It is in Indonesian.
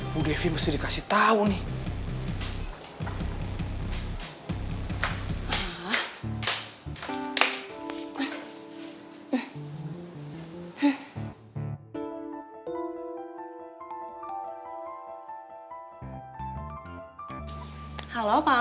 bu devi mesti dikasih tahu nih